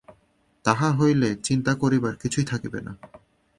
তাহা হইলে চিন্তা করিবার কিছুই থাকিবে না।